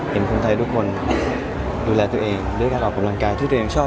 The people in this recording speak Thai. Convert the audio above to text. เห็นคนไทยทุกคนดูแลตัวเองด้วยการออกกำลังกายที่ตัวเองชอบ